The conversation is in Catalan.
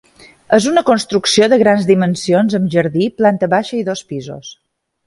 És una construcció de grans dimensions amb jardí, planta baixa i dos pisos.